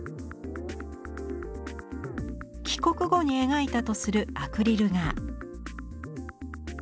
帰国後に描いたとするアクリル画。